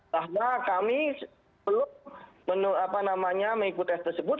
karena kami belum apa namanya mengikuti tes tersebut